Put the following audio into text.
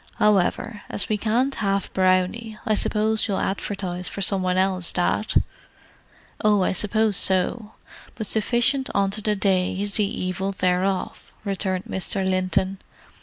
However, as we can't have Brownie, I suppose you'll advertise for some one else, Dad?" "Oh, I suppose so—but sufficient unto the day is the evil thereof," returned Mr. Linton.